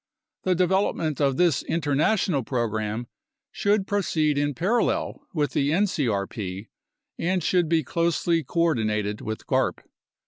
The development of this international program should proceed in parallel with the ncrp and should be closely coordinated with garp.